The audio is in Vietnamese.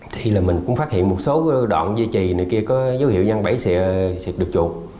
thì là mình cũng phát hiện một số đoạn dây chỉ này kia có dấu hiệu răng bẫy xịt được chuột